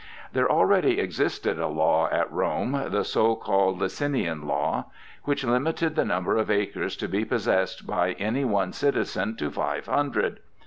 There already existed a law at Rome—the so called Licinian law—which limited the number of acres to be possessed by any one citizen to five hundred.